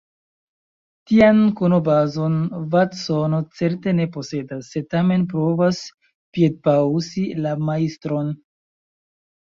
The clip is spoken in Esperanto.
Tian konobazon Vatsono certe ne posedas, sed tamen provas piedpaŭsi la Majstron.